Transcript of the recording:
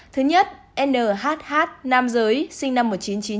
thứ nhất nhh nam giới sinh năm một nghìn chín trăm chín mươi